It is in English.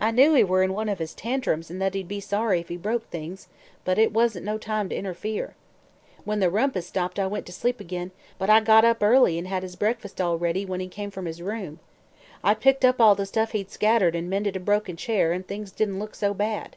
I knew he were in one o' his tantrums an' that he'd be sorry if he broke things, but it wasn't no time to interfere. When the rumpus stopped I went to sleep ag'in, but I got up early an' had his breakfas' all ready when he come from his room. I'd picked up all the stuff he'd scattered an' mended a broken chair, an' things didn't look so bad.